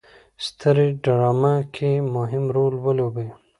سترې ډرامه کې مهم رول ولوبوي.